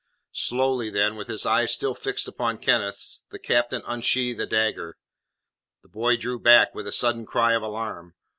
Slowly then, with his eyes still fixed upon Kenneth's, the captain unsheathed a dagger. The boy drew back, with a sudden cry of alarm.